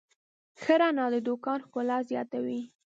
ښه رڼا د دوکان ښکلا زیاتوي.